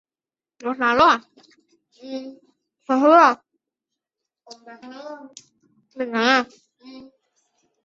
中共黑龙江省委和黑龙江省人大常委会设于此街。